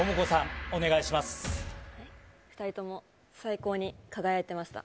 ２人とも、最高に輝いてました。